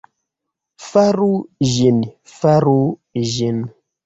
Faru ĝin. Faru ĝin.